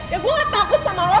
ya gue gak takut sama lo